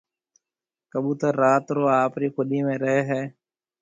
ڪٻُوتر رات رو آپرِي کُوڏِي ۾ رهيَ هيَ۔